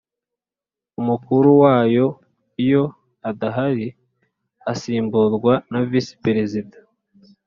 umukuru wayo iyo adahari asimburwa na Visi Perezida